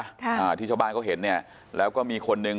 อ่าที่ชาวบ้านเขาเห็นเนี้ยแล้วก็มีคนหนึ่ง